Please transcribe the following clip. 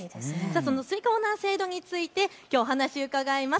そのスイカオーナー制度についてきょうお話伺います。